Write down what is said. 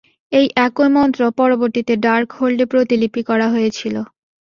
এই একই মন্ত্র, পরবর্তীতে ডার্কহোল্ডে প্রতিলিপি করা হয়েছিল।